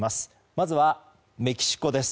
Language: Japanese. まずはメキシコです。